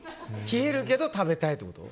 冷えるけど食べたいってこと？